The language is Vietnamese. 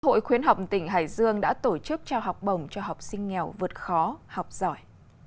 hội khuyến học tỉnh hải dương đã tổ chức trao học bổng cho học sinh nghèo vượt khó học giỏi